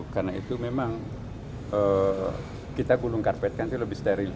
karena itu memang kita gunung karpet kan itu lebih steril